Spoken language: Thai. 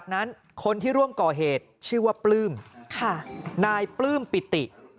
ค่ะนายปลื้มปิติ